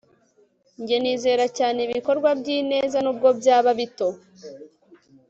njye nizera cyane ibikorwa by'ineza, nubwo byaba bito